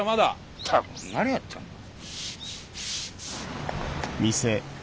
ったく何やってんだ。